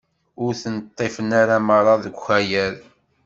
Ur ten-ṭṭifen ara merra deg ukayad.